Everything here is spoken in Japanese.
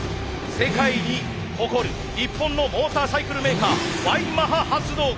世界に誇る日本のモーターサイクルメーカーＹマハ発動機。